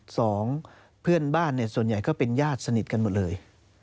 สองเพื่อนบ้านเนี่ยส่วนใหญ่ก็เป็นญาติสนิทกันหมดเลย